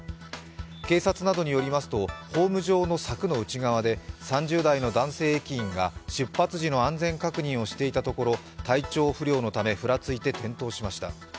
警察などによりますとホーム上の柵の内側で３０代の男性駅員が出発時の安全確認をしていたところ体調不良のためふらついて転倒しました。